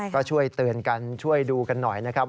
ก็ช่วยเตือนกันช่วยดูกันหน่อยนะครับ